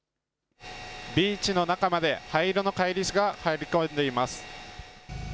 ビーチの中まで灰色の軽石が入り込んでいます。